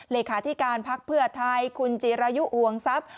เลขาธิการพักเพื่อไทยคุณจิรายุอวงทรัพย์